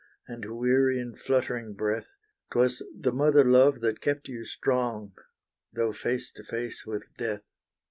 And weary and fluttering breath, Twas the mother love that kept you strong, Though face to face with death.